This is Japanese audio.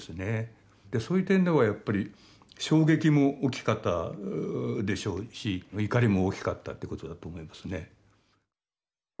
そういう点ではやっぱり衝撃も大きかったでしょうし怒りも大きかったということだと思いますね。